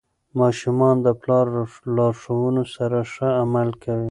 ماشومان د پلار لارښوونو سره ښه عمل کوي.